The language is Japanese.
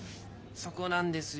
そこなんですよ。